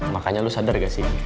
makanya lo sadar gak sih